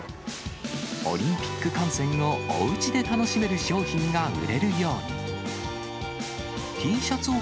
オリンピック観戦をおうちで楽しめる商品が売れるように。